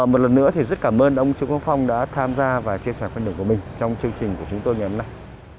một lần nữa thì rất cảm ơn ông trương quang phong đã tham gia và chia sẻ quan điểm của mình trong chương trình của chúng tôi ngày hôm nay